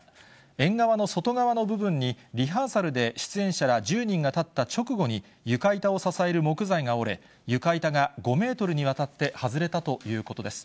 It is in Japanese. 縁側の外側の部分に、リハーサルで出演者ら１０人が立った直後に、床板を支える木材が折れ、床板が５メートルにわたって外れたということです。